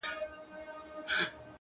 خدایه چیري په سفر یې له عالمه له امامه’